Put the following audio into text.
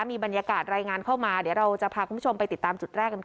มีบรรยากาศรายงานเข้ามาเดี๋ยวเราจะพาคุณผู้ชมไปติดตามจุดแรกกันก่อน